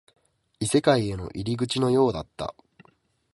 異世界への入り口のようだった